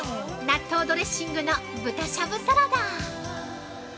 納豆ドレッシングの豚しゃぶサラダ。